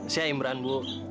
saya imran bu